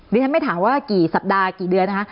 ฉันไม่ถามว่ากี่สัปดาห์กี่เดือนนะคะ